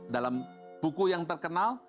dalam buku yang terkenal